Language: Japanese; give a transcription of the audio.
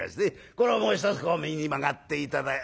これをもう一つ右に曲がって頂い。